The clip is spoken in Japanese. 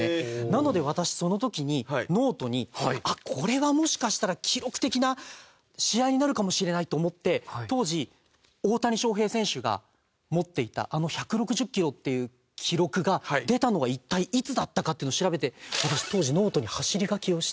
なので私その時にノートにこれはもしかしたら記録的な試合になるかもしれないと思って当時大谷翔平選手が持っていたあの１６０キロっていう記録が出たのは一体いつだったかっていうのを調べて私当時ノートに走り書きをして。